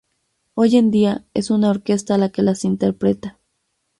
Hoy en día, es una orquesta la que las interpreta.